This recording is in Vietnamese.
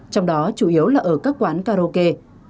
trong đó chủ yếu là ở các quán karaoke